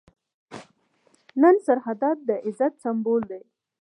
نن سرحدات د عزت سمبول دي.